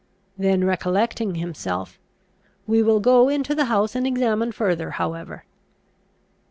Then recollecting himself, "We will go into the house, and examine further however."